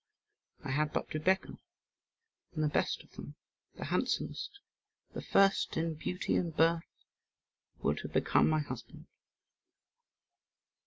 I had but to beckon, and the best of them, the handsomest, the first in beauty and birth would have become my husband.